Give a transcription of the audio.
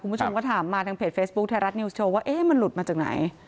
คุณผู้ชมก็ถามมาทางเพจเฟซบุ๊คไทยรัฐนิวส์โชว์ว่าเอ๊ะมันหลุดมาจากไหน